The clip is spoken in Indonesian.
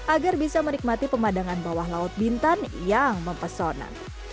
agar bisa menikmati pemandangan bawah laut bintan yang mempesona